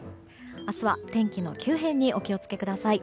明日は、天気の急変にお気を付けください。